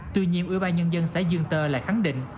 tuy nhiên ủy ba nhân dân xã duyên tơ lại khẳng định